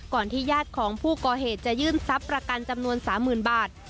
ที่ญาติของผู้ก่อเหตุจะยื่นทรัพย์ประกันจำนวน๓๐๐๐บาท